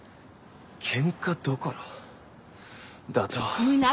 「ケンカどころ」だと？